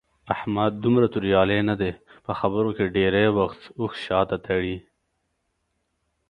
احمد دومره توریالی نه دی. په خبرو کې ډېری وخت اوښ شاته تړي.